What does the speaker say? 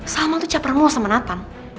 salmah tuh capermus sama nathan